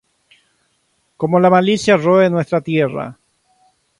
Cómo la malicia roe nuestra tierra".